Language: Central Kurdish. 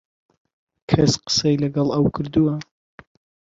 کەس قسەی لەگەڵ ئەو کردووە؟